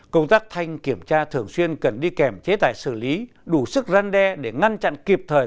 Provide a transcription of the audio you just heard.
công tác thanh kiểm tra thường xuyên cần đi kèm chế tài xử lý đủ sức răn đe để ngăn chặn kịp thời